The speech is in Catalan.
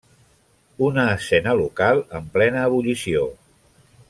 Una escena local en plena ebullició.